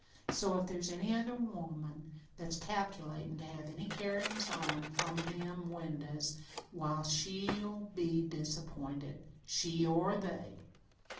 So, if there's any other woman that's calculatin' to have any carryin's on from them windows why, she'll be disappointed she or they.